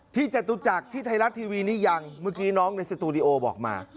จตุจักรที่ไทยรัฐทีวีนี่ยังเมื่อกี้น้องในสตูดิโอบอกมา